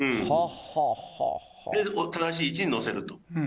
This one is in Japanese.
正しい位置に載せると。